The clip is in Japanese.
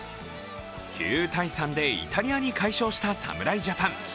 ９−３でイタリアに快勝した侍ジャパン。